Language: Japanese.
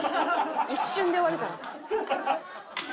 「一瞬で終わるから」。